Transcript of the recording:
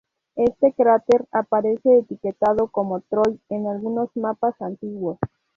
Este cráter aparece etiquetado como "Troy" en algunos mapas antiguos.